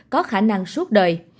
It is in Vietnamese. có khả năng suốt đời